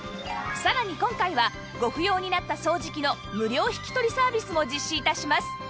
さらに今回はご不要になった掃除機の無料引き取りサービスも実施致します